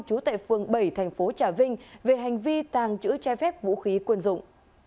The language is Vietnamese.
trú tại phường bảy tp trà vinh về hành vi tàng trữ trai phép vũ khí quân dụng